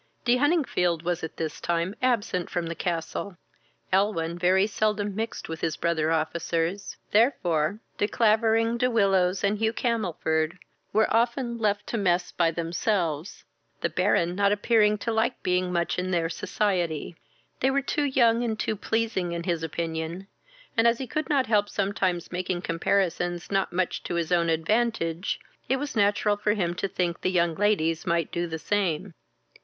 De Huntingfield was at this time absent from the castle. Elwyn very seldom mixed with his brother officers; Elwyn very seldom mixed with his brother officers; therefore De Clavering, De Willows, and Hugh Camelford, were ofter left to mess by themselves, the Baron not appearing to like being much in their society. They were too young and too pleasing in his opinion, and, as he could not help sometimes making comparisons not much to his own advantage, it was natural for him to think the young ladies might do the same.